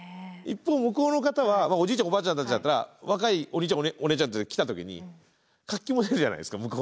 一方向こうの方はおじいちゃんおばあちゃんたちだったら若いおにいちゃんおねえちゃんたちが来た時に活気も出るじゃないですか。